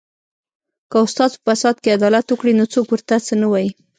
که استاد په فساد کې عدالت وکړي نو څوک ورته څه نه وايي